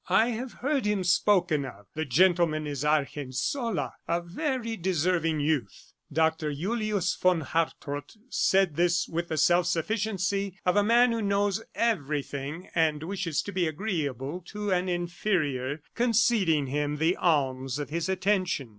"I have heard him spoken of. The gentleman is Argensola, a very deserving youth." Doctor Julius von Hartrott said this with the self sufficiency of a man who knows everything and wishes to be agreeable to an inferior, conceding him the alms of his attention.